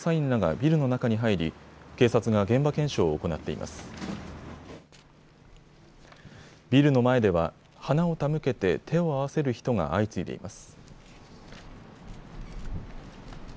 ビルの前では花を手向けて手を合わせる人が相次いでいます。